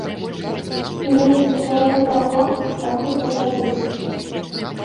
І ёсць асцярога таго, што могуць пасадзіць.